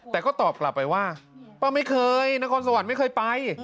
แต่ก็ตอบกลับไปว่าป้าไม่เคยนครสวรรค์ไม่เคยไป